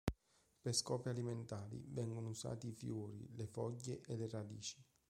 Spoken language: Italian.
Per scopi alimentari vengono usati i fiori, le foglie e le radici.